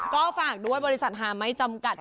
ก็ฝากด้วยบริษัทหาไม่จำกัด